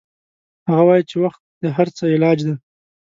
هغه وایي چې وخت د هر څه علاج ده